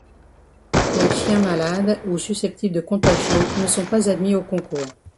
Les chiens malades ou susceptibles de contagion ne sont pas admis aux concours.